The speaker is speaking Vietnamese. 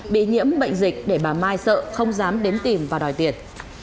bị nhiễm bệnh dịch để bà mai sợ không dám đến tìm và đòi tiền